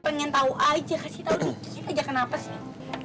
pengen tahu aja kasih tau dikit aja kenapa sih